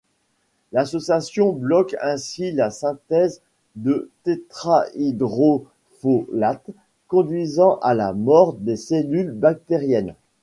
L'association bloque ainsi la synthèse de tétrahydrofolate, conduisant à la mort des cellules bactériennes.